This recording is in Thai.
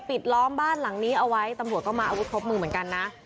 ปิดล้อมบ้านหลังนี้เอาไว้ตำรวจก็มาอาวุธครบมือเหมือนกันนะ